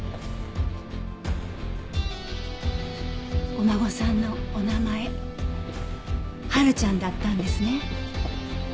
お孫さんのお名前ハルちゃんだったんですね。